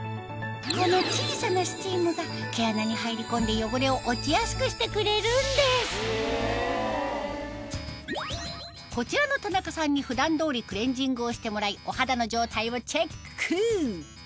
この小さなスチームが毛穴に入り込んで汚れを落ちやすくしてくれるんですこちらのたなかさんに普段通りクレンジングをしてもらいお肌の状態をチェック